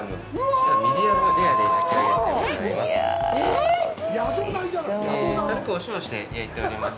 きょうはミディアムレアで焼き上げてございます。